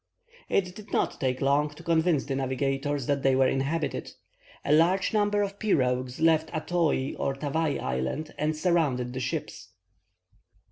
It did not take long to convince the navigators that they were inhabited. A large number of pirogues left Atooi or Tavaï Island and surrounded the ships.